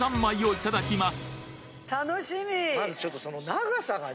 いただきます。